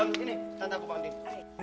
um ini tante aku panggil